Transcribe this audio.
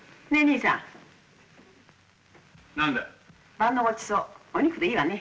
晩のごちそうお肉でいいわね？